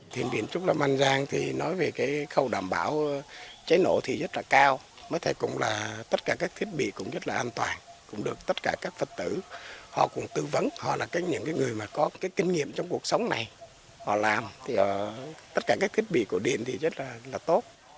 thiền viện trúc lâm an giang nói về khâu đảm bảo cháy nổ thì rất là cao tất cả các thiết bị cũng rất là an toàn cũng được tất cả các vật tử tư vấn họ là những người có kinh nghiệm trong cuộc sống này họ làm tất cả các thiết bị cổ điện thì rất là tốt